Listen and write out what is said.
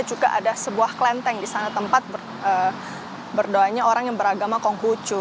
juga ada sebuah kelenteng di sana tempat berdoanya orang yang beragama konghucu